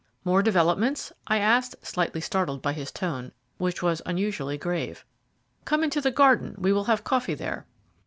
"More developments?" I asked, slightly startled by his tone, which was unusually grave. "Come into the garden; we will have coffee there."